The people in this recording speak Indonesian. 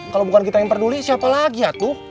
kalau bukan kita yang peduli siapa lagi ya tuh